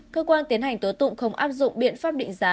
cơ quan tiến hành tố tụng không áp dụng biện pháp định giá